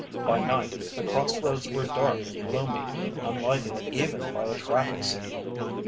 By night the crossroads were dark and gloomy, unlighted even by a traffic signal.